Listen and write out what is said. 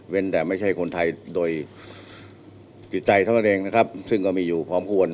เป็นแต่ไม่เคยคนไทยโดยกิจใจเท่านั้นเองซึ่งก็มีอยู่พร้อมควร